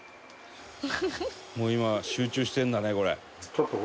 「もう今集中してるんだねこれ」